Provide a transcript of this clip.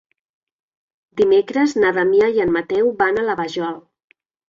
Dimecres na Damià i en Mateu van a la Vajol.